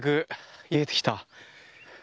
見えてきた。